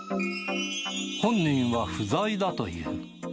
本人は不在だという。